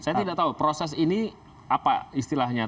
saya tidak tahu proses ini apa istilahnya